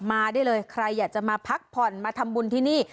มาได้เลยใครอยากจะมาพักผ่อนมาทำบุญที่นี่